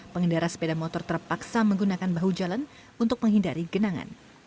pengendara sepeda motor terpaksa menggunakan bahu jalan untuk menghindari genangan